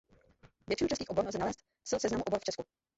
Většinu českých obor lze nalézt s seznamu obor v Česku.